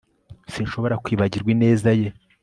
Sinshobora kwibagirwa ineza ye